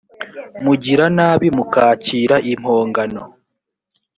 mugira nabi mukakira impongano